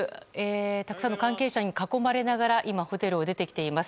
たくさんの関係者に囲まれながら今、ホテルを出てきています。